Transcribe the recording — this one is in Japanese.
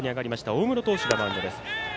大室投手がマウンドです。